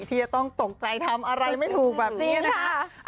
ที่จะต้องตกใจทำอะไรไม่ถูกแบบนี้นะคะ